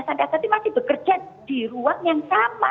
tenaga teknis masih bekerja di ruang yang sama